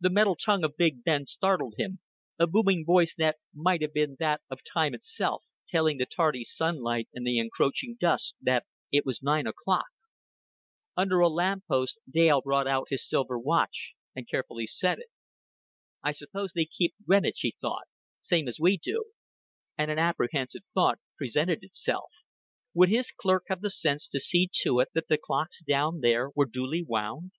The metal tongue of Big Ben startled him, a booming voice that might have been that of Time itself, telling the tardy sunlight and the encroaching dusk that it was nine o'clock. Under a lamp post Dale brought out his silver watch, and carefully set it. "I suppose they keep Greenwich," he thought, "same as we do;" and an apprehensive doubt presented itself. Would his clerk have the sense to see to it, that the clocks down there were duly wound?